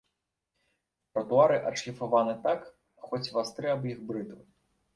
Тратуары адшліфаваны так, хоць вастры аб іх брытвы.